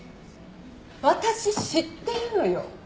私知ってるのよ。